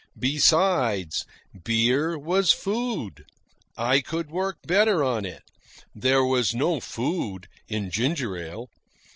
Besides, beer was food. I could work better on it. There was no food in ginger ale.